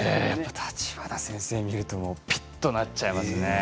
橘先生を見るとピッとなっちゃいますね。